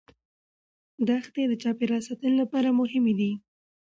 دښتې د چاپیریال ساتنې لپاره مهمې دي.